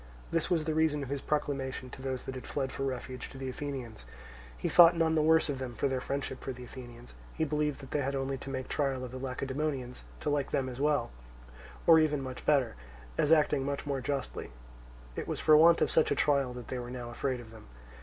This was the reason of his proclamation to those that had fled for refuge to the Athenians: he thought none the worse of them for their friendship for the Athenians; he believed that they had only to make trial of the Lacedaemonians to like them as well, or even much better, as acting much more justly: it was for want of such a trial that they were now afraid of them.